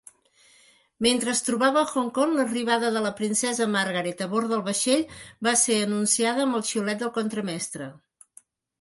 Mentre es trobava a Hong Kong, l'arribada de la princesa Margaret a bord del vaixell va ser anunciada amb el xiulet del contramestre.